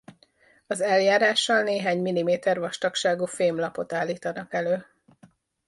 Az eljárással néhány milliméter vastagságú fémlapot állítanak elő.